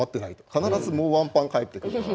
必ずもうワンパン返ってくる。